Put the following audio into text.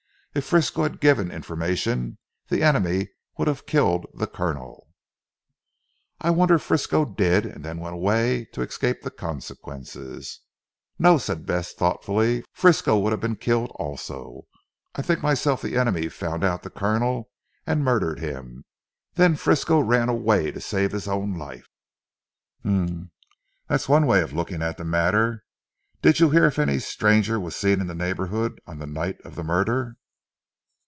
If Frisco had given information, the enemy would have killed the Colonel." "I wonder if Frisco did, and then went away to escape the consequences?" "No!" said Bess thoughtfully. "Frisco would have been killed also. I think myself that the enemy found out the Colonel and murdered him; then Frisco ran away to save his own life." "Humph! That is one way of looking at the matter. Did you hear if any stranger was seen in the neighbourhood on the night of the murder?"